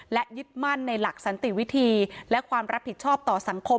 และยึดมั่นในหลักสันติวิธีและความรับผิดชอบต่อสังคม